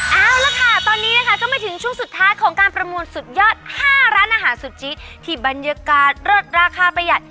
เอาละค่ะตอนนี้นะคะก็มาถึงช่วงสุดท้ายของการประมูลสุดยอด๕ร้านอาหารสุจิที่บรรยากาศเลิศราคาประหยัด